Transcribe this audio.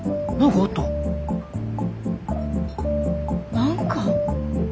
何か？